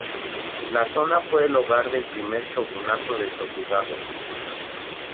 La zona fue el hogar del primer Shogunato de Tokugawa.